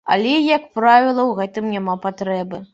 Але, як правіла, у гэтым няма патрэбы.